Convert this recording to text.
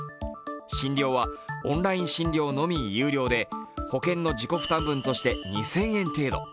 診療はオンライン診療のみ有料で保険の自己負担分として２０００円程度。